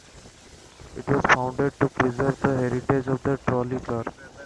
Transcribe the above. It was founded to preserve the heritage of the trolley car.